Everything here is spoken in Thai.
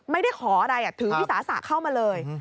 ไม่ได้ขออะไรถือวิสาสะเข้ามาเลย